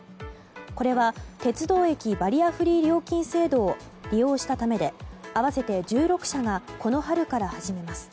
これは鉄道駅バリアフリー料金制度を利用したためで合わせて１６社がこの春から始めます。